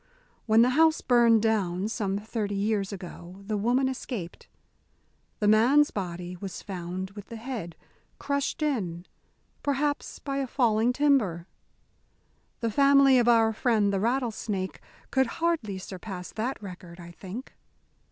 When the house burned down some thirty years ago, the woman escaped. The man's body was found with the head crushed in perhaps by a falling timber. The family of our friend the rattlesnake could hardly surpass that record, I think.